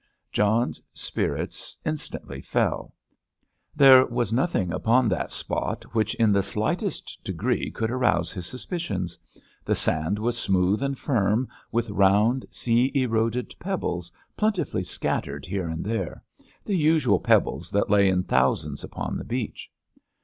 John's spirits instantly fell. There was nothing upon that spot which in the slightest degree could arouse his suspicions. The sand was smooth and firm, with round, sea eroded pebbles plentifully scattered here and there—the usual pebbles that lay in thousands upon the beach.